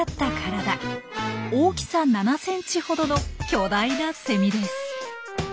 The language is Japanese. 大きさ７センチほどの巨大なセミです。